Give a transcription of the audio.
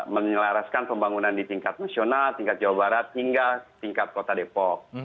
menyelaraskan pembangunan di tingkat nasional tingkat jawa barat hingga tingkat kota depok